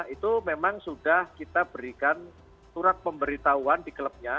itu memang sudah kita berikan surat pemberitahuan di klubnya